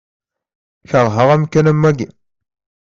Keṛheɣ amkan am wagi.